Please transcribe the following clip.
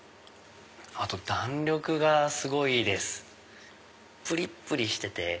あと弾力がすごいですプリップリしてて。